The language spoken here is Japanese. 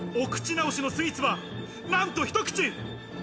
お口直しのスイーツは何と一口！